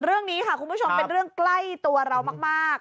เรื่องนี้ค่ะคุณผู้ชมเป็นเรื่องใกล้ตัวเรามาก